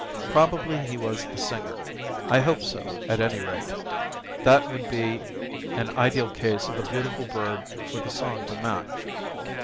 Probably he was the singer. I hoped so, at any rate. That would be an ideal case of a beautiful bird with a song to match.